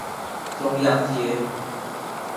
中央街